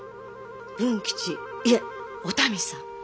文吉いえお民さん